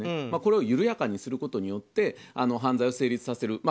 これを緩やかにすることによって犯罪を成立させる。